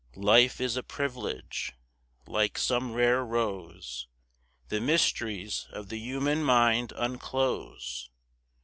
Life is a privilege. Like some rare rose The mysteries of the human mind unclose.